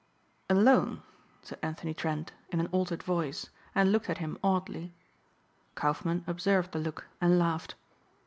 "Alone," said Anthony Trent in an altered voice and looked at him oddly. Kaufmann observed the look and laughed.